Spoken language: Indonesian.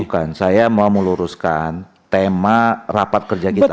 bukan saya mau meluruskan tema rapat kerja kita